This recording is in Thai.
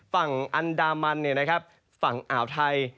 ฝั่งอันดามันฝั่งอ่าวไทย